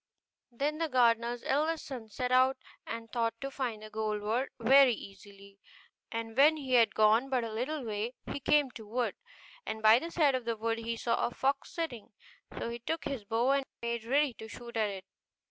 Then the gardener's eldest son set out and thought to find the golden bird very easily; and when he had gone but a little way, he came to a wood, and by the side of the wood he saw a fox sitting; so he took his bow and made ready to shoot at it.